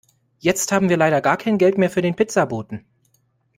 Jetzt haben wir leider gar kein Geld mehr für den Pizzaboten.